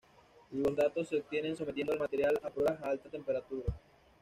Los datos se obtienen sometiendo al material a pruebas a alta temperatura.